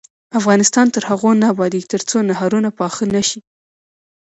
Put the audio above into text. افغانستان تر هغو نه ابادیږي، ترڅو نهرونه پاخه نشي.